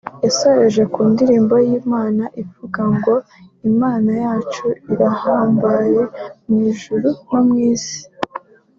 yasoreje ku ndirimbo y'Imana ivuga ngo 'Imana yacu irahambaye mu ijuru no mu isi